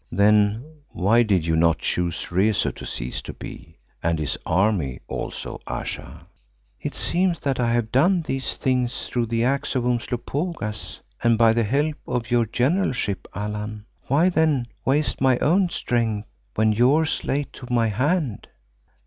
"Then why did you not choose Rezu to cease to be, and his army also, Ayesha?" "It seems that I have done these things through the axe of Umslopogaas and by the help of your generalship, Allan. Why then, waste my own strength when yours lay to my hand?"